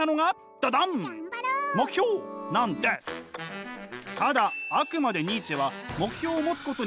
ただあくまでニーチェは目標を持つことには反対！